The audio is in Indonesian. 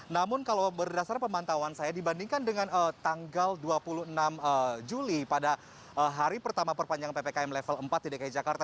namun kalau berdasar pemantauan saya dibandingkan dengan tanggal dua puluh enam juli pada hari pertama perpanjangan ppkm level empat di dki jakarta